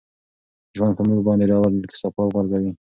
ژوند په موږ باندې ډول ډول کثافات غورځوي.